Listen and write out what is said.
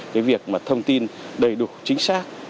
cái việc mà thông tin đầy đủ chính xác